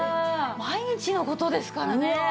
毎日の事ですからね。